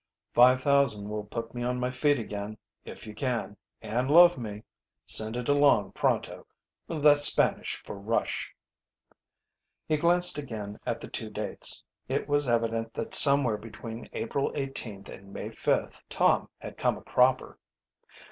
"Five thousand will put me on my feet again. If you can, and love me, send it along pronto that's Spanish for rush." He glanced again at the two dates. It was evident that somewhere between April 18th and May 5th Tom had come a cropper.